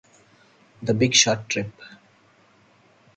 The Big Short Trip.